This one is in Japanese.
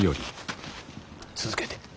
続けて。